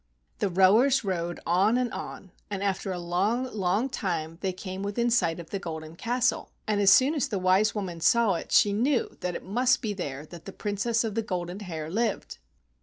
The rowers rowed on and on, and after a long long time they came within sight of the Golden Castle, and as soon as the wise woman saw it she knew that it must be there that the Princess of the Golden Hair lived.